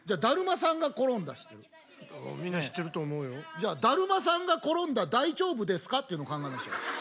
じゃあだるまさんが転んだ大丈夫ですかっていうの考えましょう。